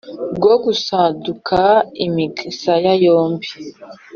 rwo gasaduka imisaya yombi.